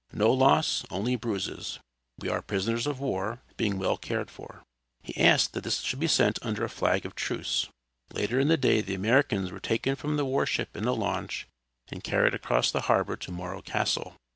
No loss, only bruises. We are prisoners of war, being well cared for." He asked that this should be sent under a flag of truce. Later in the day the Americans were taken from the war ship in a launch, and carried across the harbor to Morro Castle.